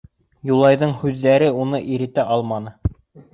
Юлайҙың һүҙҙәре уны иретә алманы.